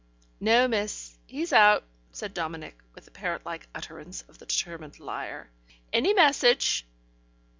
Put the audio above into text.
"No, miss, he's out," said Dominic, with the parrot like utterance of the determined liar. "Any message?"